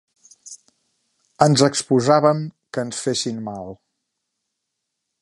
Ens exposàvem que ens fessin mal.